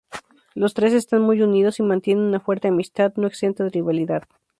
Los tres están muy unidos y mantienen una fuerte amistad, no exenta de rivalidad.